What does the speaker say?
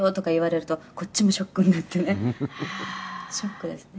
「ショックですね」